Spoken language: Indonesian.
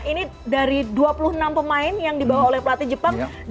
ini dari dua puluh enam pemain yang dibawa oleh pelatih jepang